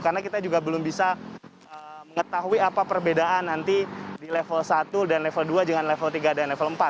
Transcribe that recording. karena kita juga belum bisa mengetahui apa perbedaan nanti di level satu dan level dua dengan level tiga dan level empat